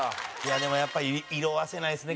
でもやっぱり色あせないですね